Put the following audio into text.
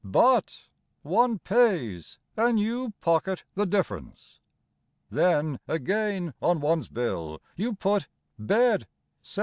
But One pays, And you pocket the difference. Then, again, on one's bill You put Bed, 7s.